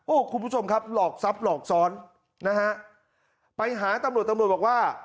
คุณผู้ชมครับหลอกทรัพย์หลอกซ้อนนะฮะไปหาตำรวจตำรวจบอกว่า